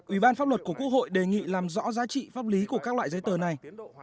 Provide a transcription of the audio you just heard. ủy ban pháp luật của quốc hội đề nghị làm rõ giá trị pháp lý của các loại giấy tờ này